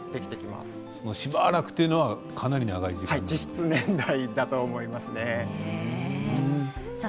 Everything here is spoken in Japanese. しばらくというのはかなり長いと思います。